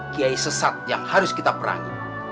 kiai sesat yang harus kita perangi